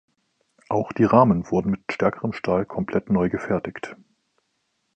Auch die Rahmen wurden mit stärkerem Stahl komplett neu gefertigt.